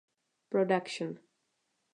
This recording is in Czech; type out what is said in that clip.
Production.